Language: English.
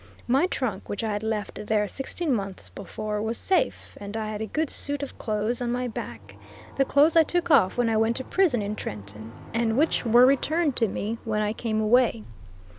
My trunk, which I had left there sixteen months before, was safe, and I had a good suit of clothes on my back the clothes I took off when I went to prison in Trenton and which were returned to me when I came away.